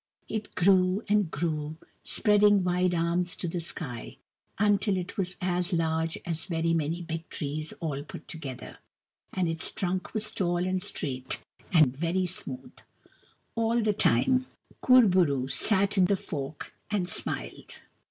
It grew and grew, spreading wide arms to the sky, until it was as large as very many big trees all put together : and its trunk was tall and straight and very smooth. All the time, Kur bo roo sat in the fork and smiled.